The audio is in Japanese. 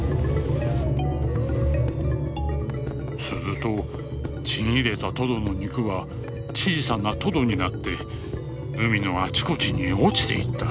「するとちぎれたトドの肉は小さなトドになって海のあちこちに落ちていった。